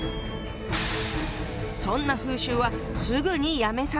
そんな風習はすぐにやめさせなきゃ！